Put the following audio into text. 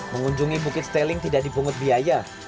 mengunjungi bukit steling tidak dipungut biaya